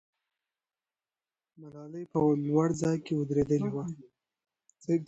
ملالۍ په لوړ ځای کې ودرېدلې وه.